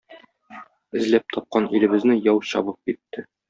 Эзләп тапкан илебезне яу чабып китте.